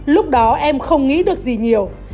lúc đó em không nghĩ được gì nhiều